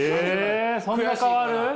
えそんな変わる？